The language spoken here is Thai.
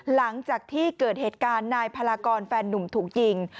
หลังจากที่เกิดเหตุการณ์นายพลากรแฟนนุ่มถูกยิง